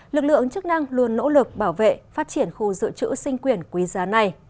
lực lượng chức năng luôn nỗ lực bảo vệ phát triển khu dự trữ sinh quyền quý giá này